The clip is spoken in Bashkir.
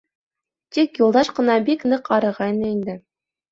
Тик Юлдаш ҡына бик ныҡ арығайны инде.